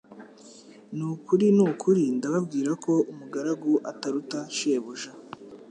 Ni ukuri, ni ukuri ndababwira ko umugaragagu ataruta shebuja;